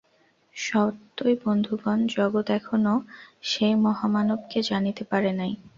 সত্যই বন্ধুগণ, জগৎ এখনও সেই মহামানবকে জানিতে পারে নাই।